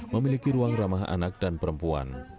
memiliki ruang ramah anak dan perempuan